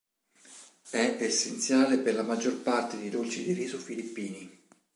È essenziale per la maggior parte di dolci di riso filippini.